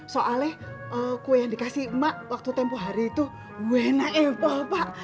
soalnya kue yang dikasih emak waktu tempoh hari itu gue enak apple pak